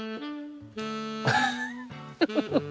フフフフ。